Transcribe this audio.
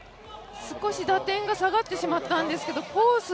少し打点が下がってしまったんですけどコース